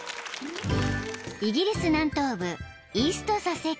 ［イギリス南東部］